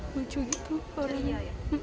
lucu gitu orangnya